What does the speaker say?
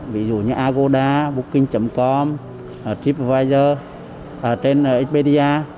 ví dụ như agoda booking com tripadvisor trên expedia